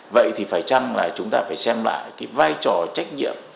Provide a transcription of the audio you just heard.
vậy thì phải chăm là chúng ta phải xem lại vai trò trách nhiệm